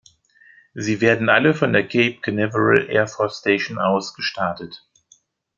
Sie werden alle von der Cape Canaveral Air Force Station aus gestartet.